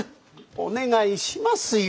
お願いしますよ。